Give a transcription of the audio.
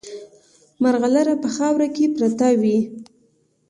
مرغلره په خاورو کې پرته وي.